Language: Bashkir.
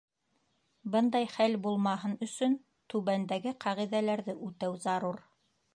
Бындай хәл булмаһын өсөн, түбәндәге ҡағиҙәләрҙе үтәү зарур: